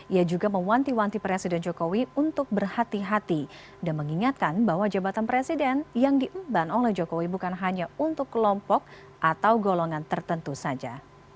ia juga mewanti wanti presiden jokowi untuk berhati hati dan mengingatkan bahwa jabatan presiden yang diemban oleh jokowi bukan hanya untuk kelompok atau golongan tertentu saja